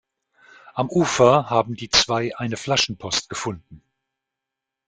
Am Ufer haben die zwei eine Flaschenpost gefunden.